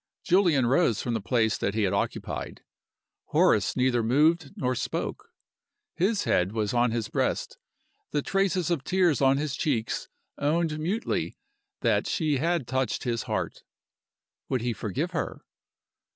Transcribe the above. Julian rose from the place that he had occupied. Horace neither moved nor spoke. His head was on his breast: the traces of tears on his cheeks owned mutely that she had touched his heart. Would he forgive her?